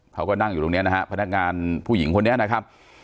เขาก็นั่งอยู่ตรงนี้นะฮะพนักงานผู้หญิงคนนี้นะครับ